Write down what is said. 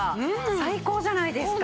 最高じゃないですか。